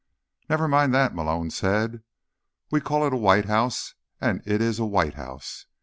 "Never mind that," Malone said. "We call it a white house, and it is a white house.